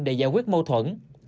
để giải quyết mâu thuẫn